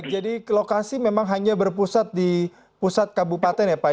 jadi lokasi memang hanya berpusat di pusat kabupaten ya pak